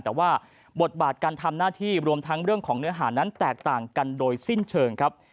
แต่ว่าบทบาทการทำหน้าที่รวมทั้งเรื่องของเนื้อหานั้นแตกต่างกันโดยสิ้นเชิงครับ